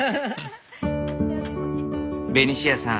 ベニシアさん